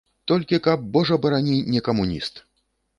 Толькі каб, божа барані, не камуніст!